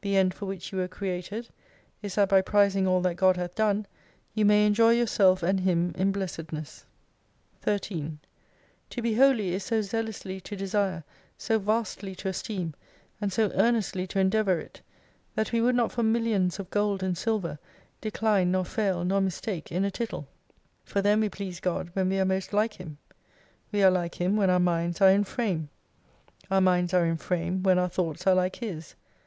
The end for which you were created, is that by prizing all that God hath done, you may enjoy yourself and Him in Blessedness. 13 To be Holy is so zealously to desire, so vastly to esteem, and so earnestly to endeavour it, that we would not for millions of gold and silver, decline, nor fail, nor mistake in a tittle. For then we please God when we are most like Him. "We are like Him when our minds are in frame. Our minds are in frame when our thoughts are like His.